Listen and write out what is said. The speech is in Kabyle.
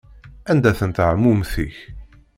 Anda-tent ɛmumet-ik?